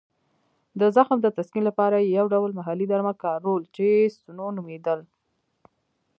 د زخم د تسکین لپاره یې یو ډول محلي درمل کارول چې سنو نومېدل.